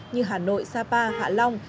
từ hà nội sapa hạ long